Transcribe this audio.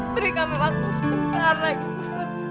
beri kami waktu sebentar lagi